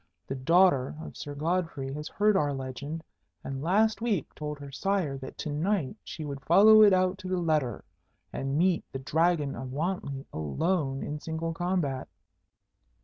The daughter of Sir Godfrey has heard our legend, and last week told her sire that to night she would follow it out to the letter, and meet the Dragon of Wantley alone in single combat."